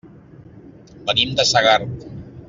Venim de Segart.